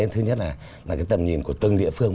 thứ nhất là cái tầm nhìn của từng địa phương